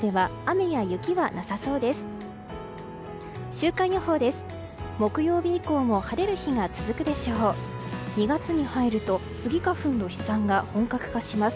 週間予報です。